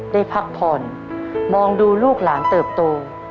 ได้พักผ่อนมองดูลูกหลานเติบโต